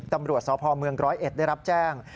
ตำรวจสภเมือง๑๐๑ได้รับแจ้ง